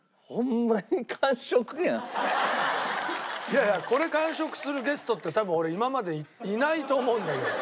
いやいやこれ完食するゲストって多分俺今までいないと思うんだけど。